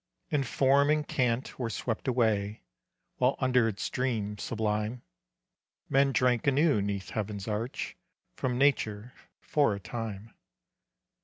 And form and cant were swept away, While under its dream sublime, Men drank anew 'neath heaven's arch From nature for a time.